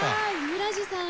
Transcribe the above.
村治さん